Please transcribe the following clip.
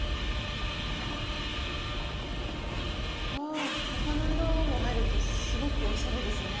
あ他の色も入るとすごくおしゃれですね。